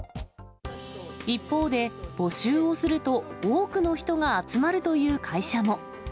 一方で、募集をすると多くの人が集まるという会社も。